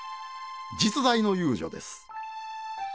実在の遊女です。